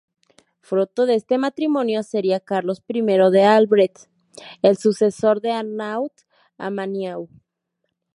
Fruto de este matrimonio sería Carlos I de Albret, el sucesor de Arnaud-Amanieu.